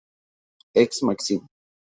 Ex Maxim.